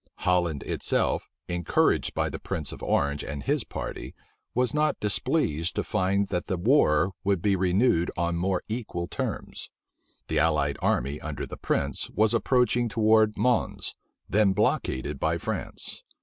Holland itself, encouraged by the prince of Orange and his party, was not displeased to find that the war would be renewed on more equal terms. The allied army under that prince was approaching towards Mons, then blockaded by France.